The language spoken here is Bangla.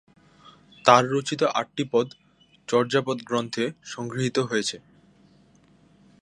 তাঁর রচিত আটটি পদ চর্যাপদ গ্রন্থে সংগৃহীত হয়েছে।